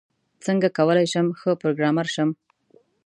څنګه کولاي شم ښه پروګرامر شم؟